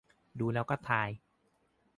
ดูแล้วก็ทาย